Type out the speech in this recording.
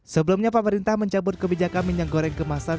sebelumnya pemerintah mencabut kebijakan minyak goreng kemasan